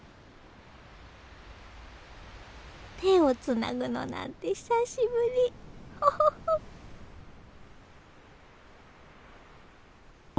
手をつなぐのなんて久しぶりほほほ。